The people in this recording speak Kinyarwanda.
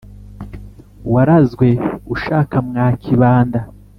Warazwe ushaka mwa Kibanda.